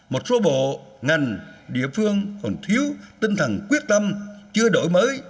một số bộ ngành địa phương còn thiếu tinh thần quyết tâm chưa đổi mới